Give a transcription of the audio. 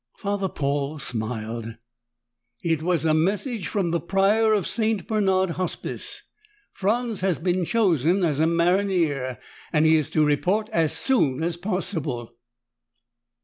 Father Paul smiled. "It was a message from the Prior of St. Bernard Hospice. Franz has been chosen as a maronnier, and he is to report as soon as possible."